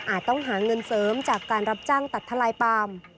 ต้องหาเงินเสริมจากการรับจ้างตัดทลายปาล์ม